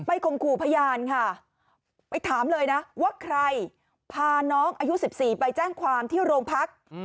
ข่มขู่พยานค่ะไปถามเลยนะว่าใครพาน้องอายุ๑๔ไปแจ้งความที่โรงพัก